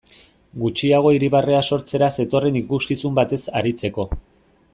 Gutxiago irribarrea sortzera zetorren ikuskizun batez aritzeko.